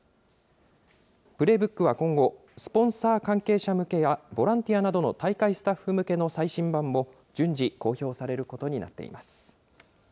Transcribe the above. プレーブックは今後、スポンサー関係者向けや、ボランティアなどの大会スタッフ向けの最新版も、順次、公表されることになっています。